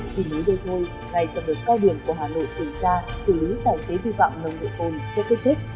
chỉ mới đây thôi ngày trong đợt cao biển của hà nội thử tra xử lý tài xế vi phạm nồng độ ồn cho kích thích